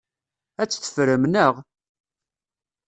Ad tt-teffrem, naɣ?